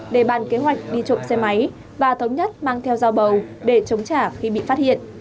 để bàn kế hoạch đi trộm xe máy và thống nhất mang theo dao bầu để chống trả khi bị phát hiện